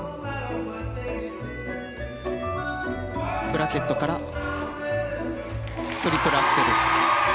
ブラケットからトリプルアクセル。